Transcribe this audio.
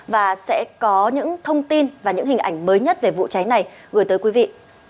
và sẽ có những thông tin và những hình ảnh mới nhất về vụ cháy này gửi tới quý vị